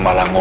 kamu tau gak